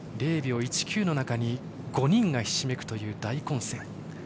０秒１９の中に５人がひしめく大混戦。